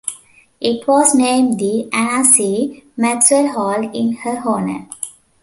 It was named the "Anna C. Maxwell Hall" in her honor.